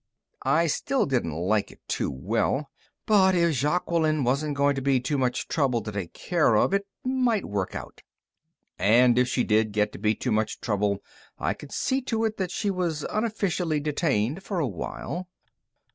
I still didn't like it too well, but if Jaqueline wasn't going to be too much trouble to take care of, it might work out. And if she did get to be too much trouble, I could see to it that she was unofficially detained for a while.